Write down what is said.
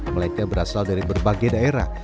melainkan berasal dari berbagai daerah